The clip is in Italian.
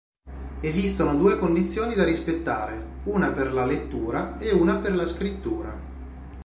Esistono due condizioni da rispettare: una per la "lettura" e una per la "scrittura".